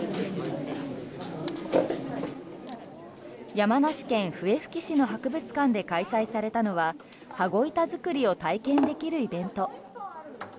山梨県笛吹市の博物館で開催されたのは羽子板作りを体験できるイベント。